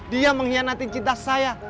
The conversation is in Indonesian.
dia mengkhianati cinta saya